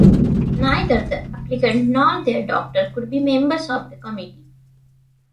Neither the applicant nor their doctor could be members of the committee.